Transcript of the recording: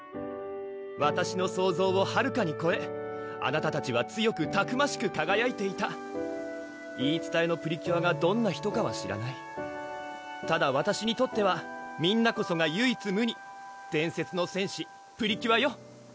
わたしの想像をはるかにこえあなたたちは強くたくましくかがやいていた言いつたえのプリキュアがどんな人かは知らないただわたしにとってはみんなこそが唯一無二伝説の戦士・プリキュアよ